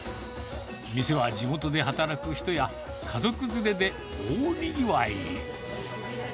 店は地元で働く人や、家族連れで大にぎわい。